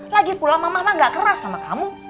lagi pula mama mama gak keras sama kamu